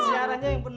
siarannya yang bener